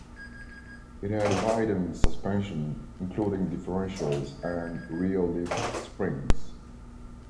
It had widened suspension, including differentials, and rear leaf springs.